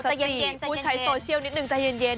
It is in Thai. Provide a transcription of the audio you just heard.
เอาสติพูดใช้โซเชียลนิดหนึ่งใจเย็นจะเย็น